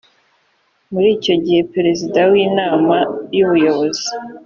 muri icyo gihe perezida w inama y ubuyobozi